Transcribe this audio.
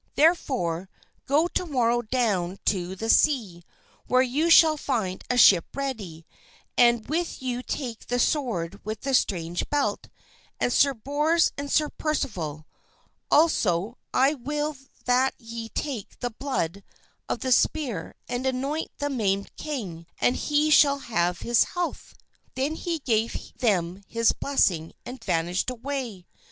Therefore, go to morrow down to the sea where you shall find a ship ready; and with you take the sword with the strange belt, and Sir Bors and Sir Percival. Also I will that ye take the blood of the spear and anoint the maimed king, and he shall have his health." Then he gave them his blessing and vanished away.